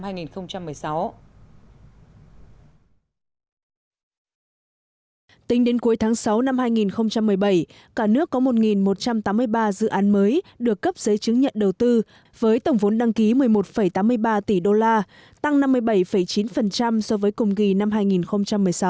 tính đến cuối tháng sáu năm hai nghìn một mươi bảy cả nước có một một trăm tám mươi ba dự án mới được cấp giấy chứng nhận đầu tư với tổng vốn đăng ký một mươi một tám mươi ba tỷ đô la tăng năm mươi bảy chín so với cùng kỳ năm hai nghìn một mươi sáu